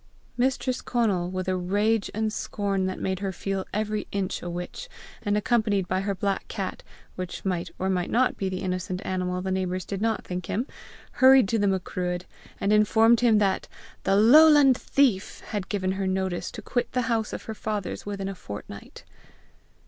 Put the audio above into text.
Mistress Conal, with a rage and scorn that made her feel every inch a witch, and accompanied by her black cat, which might or might not be the innocent animal the neighbours did not think him, hurried to the Macruadh, and informed him that "the lowland thief" had given her notice to quit the house of her fathers within a fortnight.